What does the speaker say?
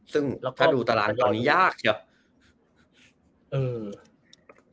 ซึ่งถ้าดูตารางกองนี้ยากเชียว